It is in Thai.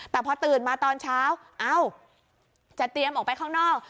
แต่พอตื่นมาตอนเช้าเอ้าจะเตรียมออกไปข้างนอก